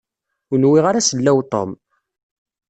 Ur nwiɣ ara sellaw Tom.